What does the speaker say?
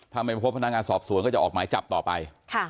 ถ้าไม่พบพนักงานสอบสวนก็จะออกหมายจับต่อไป